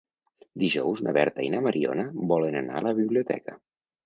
Dijous na Berta i na Mariona volen anar a la biblioteca.